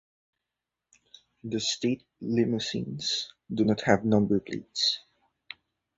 The State Limousines do not have number plates.